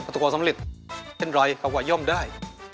ถ้าสำเร็จเช่นไรก็ว่าย่อมได้